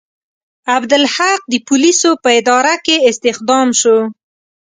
عبدالحق د پولیسو په اداره کې استخدام شو.